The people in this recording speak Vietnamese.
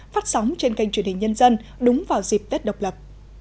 phát sóng trên kênh truyền hình nhân dân đúng vào dịp tết độc lập